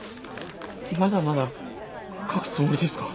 まだまだ書くつもりですか？